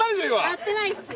やってないっすよ。